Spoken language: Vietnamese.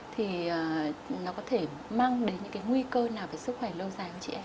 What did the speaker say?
thì nó có thể mang đến những nguy cơ nào về sức khỏe lâu dài của chị em